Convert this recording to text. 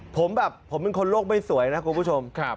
ผมแบบผมเป็นคนโลกไม่สวยนะคุณผู้ชม